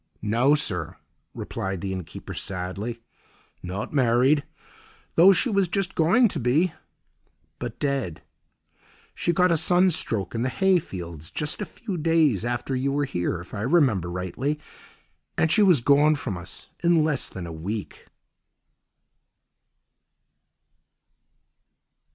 "No, sir," replied the inn keeper sadly, "not married—though she was just going to be—but dead. She got a sunstroke in the hayfields, just a few days after you were here, if I remember rightly, and she was gone from us in less than a week."